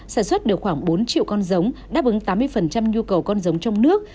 sản xuất được khoảng bốn triệu con giống đáp ứng tám mươi nhu cầu con giống trong nước